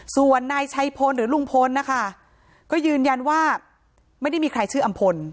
ส่วนนายชัยพลหรือลุงพลนะคะก็ยืนยันว่าไม่ได้มีใครชื่ออำพล